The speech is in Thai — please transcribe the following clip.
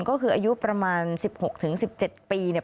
ก็คืออายุประมาณ๑๖๑๗ปีเนี่ย